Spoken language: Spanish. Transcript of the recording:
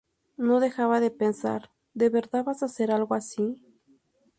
No dejaba de pensar: '¿De verdad vas a hacer algo así?'.